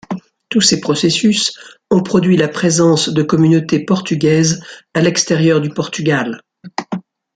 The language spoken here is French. Tous ces processus ont produit la présence de communautés portugaises à l'extérieur du Portugal.